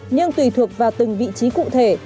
nhưng tùy thuộc vào từng vị trí cụ thể